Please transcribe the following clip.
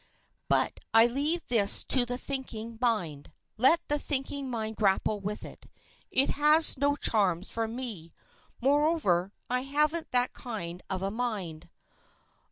But I leave this to the thinking mind. Let the thinking mind grapple with it. It has no charms for me. Moreover, I haven't that kind of a mind.